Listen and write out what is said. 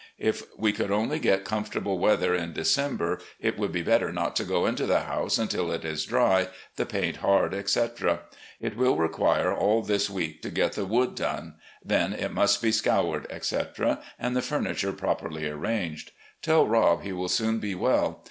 If we could only get comfortable weather in December, it would be better not to go into the house until it is dry, the paint hard, etc. It will require aU this week to get the wood done; then it must be scoured, etc., and the furniture properly arranged. Tell Rob he will soon be well.